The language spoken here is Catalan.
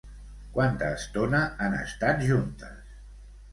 Quanta estona han estat juntes?